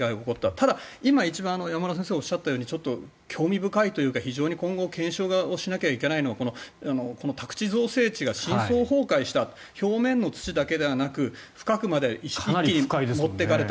ただ、今一番山村先生がおっしゃったちょっと興味深いというか非常に今後検証をしなきゃいけないのは宅地造成地が深層崩壊した表面の土だけではなく深くまで一気に持っていかれた。